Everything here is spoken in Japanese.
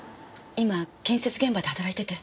今建設現場で働いてて。